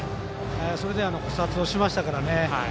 それで封殺をしましたからね。